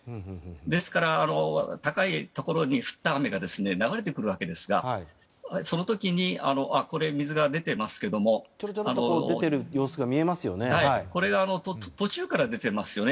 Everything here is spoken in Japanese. ですから高いところに降った雨が流れてくるわけですがその時に映像で水が出ていますけどもこれが途中から出ていますよね。